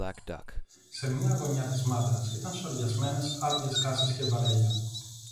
Σε μια γωνιά της μάντρας ήταν σωριασμένες άδειες κάσες και βαρέλια